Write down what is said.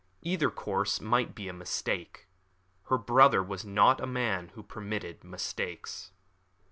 Either course might be a mistake. Her brother was not a man who permitted mistakes.